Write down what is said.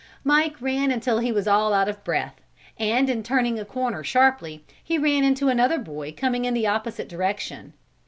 Mike ran until he was all out of breath and in turning a corner sharply he ran into another boy coming in the opposite direction.